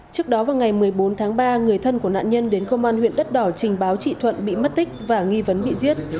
trước đó vào ngày một mươi bốn tháng ba người thân của nạn nhân đến công an huyện đất đỏ trình báo chị thuận bị mất tích và nghi vấn bị giết